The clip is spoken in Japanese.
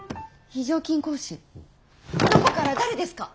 非常勤講師どこから誰ですか？